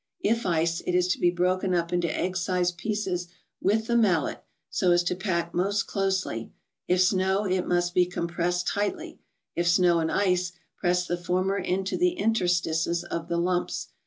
If ice, it is to be broken up into egg sized pieces with the mallet, so as to pack most closely; if snow, it must be com¬ pressed tightly : if snow and ice, press the former into the interstices of the lumps.